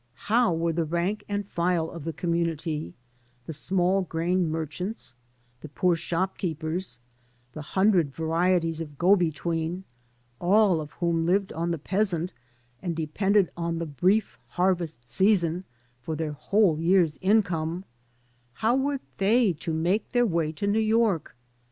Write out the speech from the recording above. How were the rank and file of the com munity — ^the small grain merchants, the poor shop keepers, the hundred varieties of go between, all of whom lived on the peasant and depended on the brief harvest season for their whole year's income — ^how were they to make their way to New York?